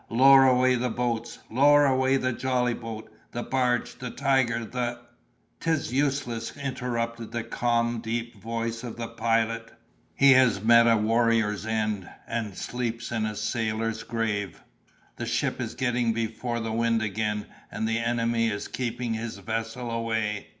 Lower away the boat, lower away the jolly boat, the barge, the tiger, the"— "'Tis useless," interrupted the calm deep voice of the Pilot; "he has met a warrior's end, and he sleeps in a sailor's grave! The ship is getting before the wind again, and the enemy is keeping his vessel away."